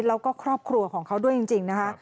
แล้วก็ครอบครัวของเขาด้วยจริงนะคะ